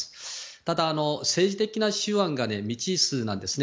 ただ、政治的な手腕が未知数なんですね。